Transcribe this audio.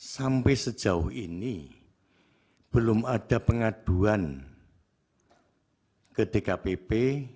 sampai sejauh ini belum ada pengaduan ke dkpp